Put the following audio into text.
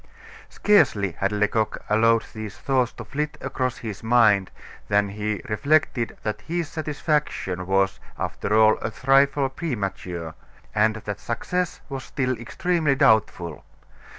Scarcely had Lecoq allowed these thoughts to flit across his mind than he reflected that his satisfaction was, after all, a trifle premature, and that success was still extremely doubtful.